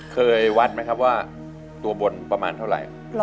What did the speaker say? เคยวัดไหมครับว่าตัวบนประมาณเท่าไหร่